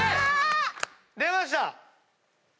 出ました。